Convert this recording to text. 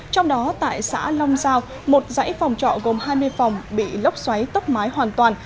trong đó tại xã long giao một dãy phòng trọ gồm hai mươi phòng bị lốc xoáy tốc mái hoàn toàn